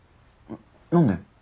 何で？